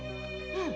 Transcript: うん。